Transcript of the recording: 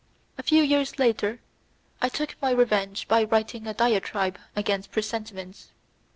A few years later I took my revenge by writing a diatribe against presentiments.